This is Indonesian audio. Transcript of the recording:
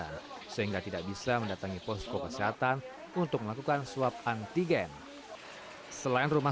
dan juga kami dari posek metro gambir ada pelaksanaan swab antigen di tempat